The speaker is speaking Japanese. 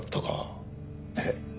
ええ。